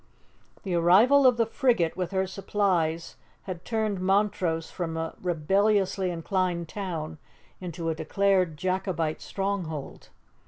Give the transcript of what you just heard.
The arrival of the frigate with her supplies had turned Montrose from a rebelliously inclined town into a declared Jacobite stronghold.